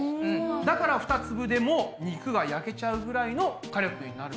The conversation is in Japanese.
だから２粒でも肉が焼けちゃうぐらいの火力になるそうです。